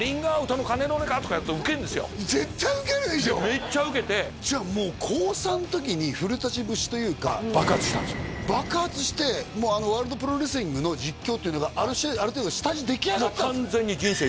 めっちゃウケてじゃあもう高３の時に古節というか爆発してもう「ワールドプロレスリング」の実況っていうのがある程度下地出来上がったんですね